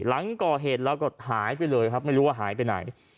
หลังก่อเหตุแล้วก็หายไปเลยครับไม่รู้ว่าหายไปไหน